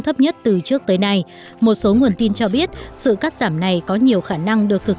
thấp nhất từ trước tới nay một số nguồn tin cho biết sự cắt giảm này có nhiều khả năng được thực